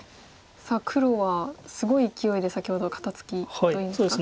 さあ黒はすごいいきおいで先ほど肩ツキといいますか。